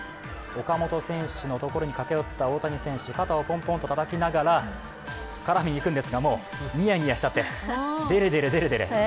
岡本選手のところに駆け寄った大谷選手、肩をポンポンとたたきながらいくんですがもうニヤニヤしちゃって、デレデレデレデレ。